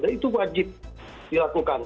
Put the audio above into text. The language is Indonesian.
dan itu wajib dilakukan